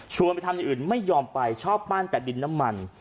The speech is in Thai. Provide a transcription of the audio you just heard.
ไปทำอย่างอื่นไม่ยอมไปชอบปั้นแต่ดินน้ำมัน